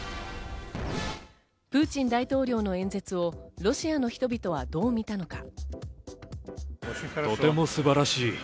プーチン大統領の演説をロシアの人々はどう見たのか。